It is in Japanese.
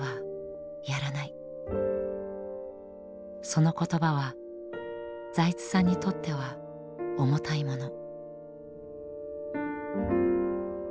その言葉は財津さんにとっては重たいもの。